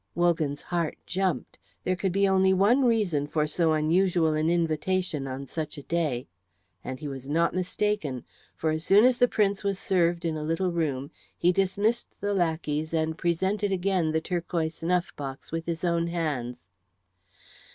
Wogan's heart jumped. There could be only one reason for so unusual an invitation on such a day, and he was not mistaken; for as soon as the Prince was served in a little room, he dismissed the lackeys and presented again the turquoise snuff box with his own hands.